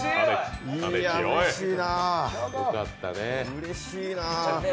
うれしいな。